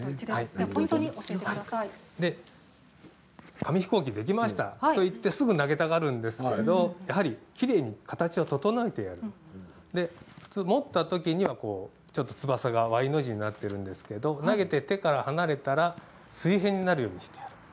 紙ヒコーキができましたと言ってすぐ投げたがりますがやはりきれいに形を整えて持ったときにはちょっと翼はＹの字になっているんですけど投げて手から離れたら水平になるようにする。